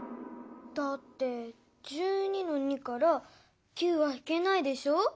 だって１２の２から９はひけないでしょ。